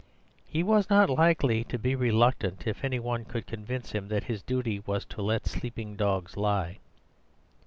He was not likely to be reluctant if any one could convince him that his duty was to let sleeping dogs lie.